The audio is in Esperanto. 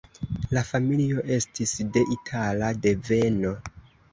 La familio estis de itala deveno.